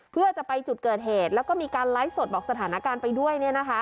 เพื่อจะไปจุดเกิดเหตุแล้วก็มีการไลฟ์สดบอกสถานการณ์ไปด้วย